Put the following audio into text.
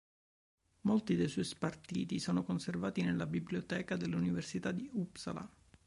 Molti suoi spartiti sono conservati nella biblioteca dell'università di Uppsala.